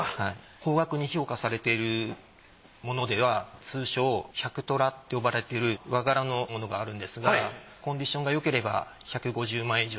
高額に評価されてるものでは通称「百虎」って呼ばれてる和柄のものがあるんですがコンディションがよければ１５０万円以上。